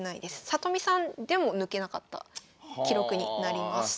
里見さんでも抜けなかった記録になります。